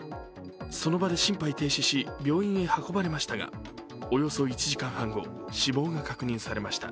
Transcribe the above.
その場で心肺停止し病院へ運ばれましたがおよそ１時間半後、死亡が確認されました。